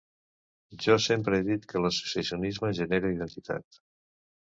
Jo sempre he dit que l’associacionisme genera identitat.